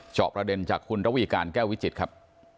จอบประเด็นจากคุณระวีการแก้ววิจิตรครับ